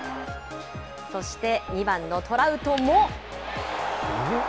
そして２番のトラウトも。